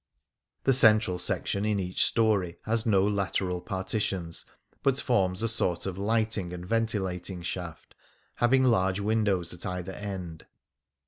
The central section in each story has no lateral partitions, but forms a sort of lighting and ventilating shaft, having large windows at either end.